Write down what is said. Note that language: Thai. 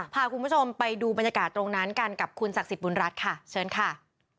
พาคุณผู้ชมไปดูบรรยากาศตรงนั้นกันกับคุณศักดิ์สิทธิบุญรัฐค่ะเชิญค่ะ